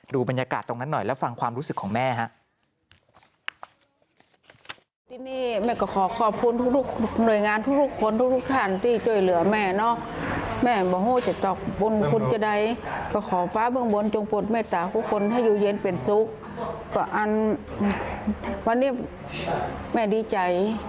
ดูบรรยากาศตรงนั้นหน่อยแล้วฟังความรู้สึกของแม่ฮะ